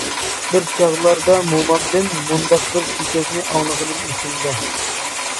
بىر چاغلاردا مومامدىن مۇنداق بىر چۆچەكنى ئاڭلىغىنىم ئېسىمدە.